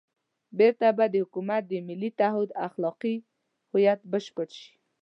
بېرته به د حکومت د ملي تعهُد اخلاقي هویت بشپړ شي.